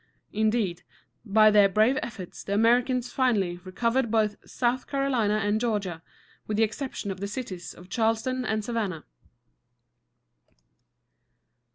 Indeed, by their brave efforts the Americans finally recovered both South Carolina and Georgia, with the exception of the cities of Charleston and Savannah.